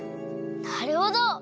なるほど！